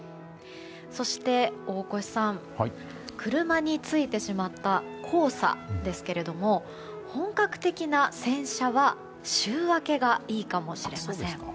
そして、大越さん車についてしまった黄砂ですが本格的な洗車は週明けがいいかもしれません。